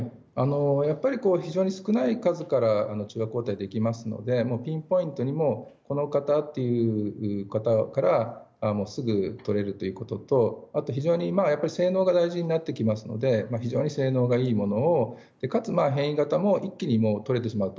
非常に少ない数から中和抗体ができますのでピンポイントにこの型という型からすぐにとれるということとあと、非常に性能が大事になってきますので非常に性能がいいものかつ変異型も一気にとれてしまうと。